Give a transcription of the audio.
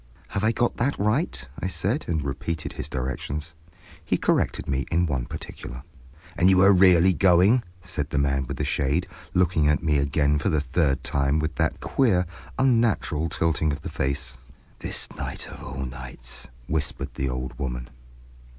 "Have I got that right?" I said, and repeated his directions. He corrected me in one particular. "And you are really going?" said the man with the shade, looking at me again for the third time with that queer, unnatural tilting of the face. "This night of all nights!" whispered the old woman.